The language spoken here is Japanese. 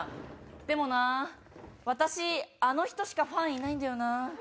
でもな私あの人しかファンいないんだよな。